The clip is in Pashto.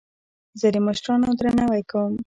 زه د مشرانو درناوی کوم.